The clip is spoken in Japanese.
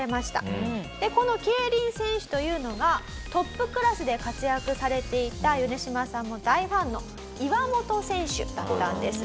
でこの競輪選手というのがトップクラスで活躍されていたヨネシマさんも大ファンの岩本選手だったんです。